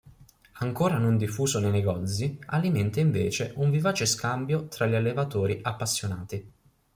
Ancora non diffuso nei negozi, alimenta invece un vivace scambio tra gli allevatori appassionati.